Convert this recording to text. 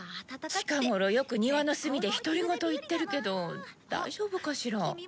近頃よく庭の隅で独り言言ってるけど大丈夫かしら？